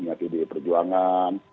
dari pilihan tdi perjuangan